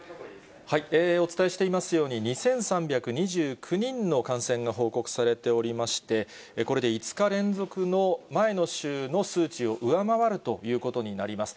お伝えしていますように、２３２９人の感染が報告されておりまして、これで５日連続の、前の週の数値を上回るということになります。